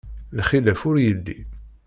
Lxilaf ur yelli.